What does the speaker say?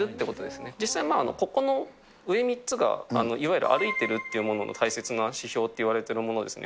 実際、ここの上３つがいわゆる歩いてるというの大切な指標っていわれてるものですね。